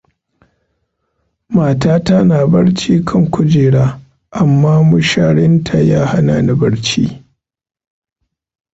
Matata na barci kan kujera, amma musharinta ya hanani barci.